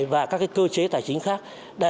và các cơ chế tài chính khác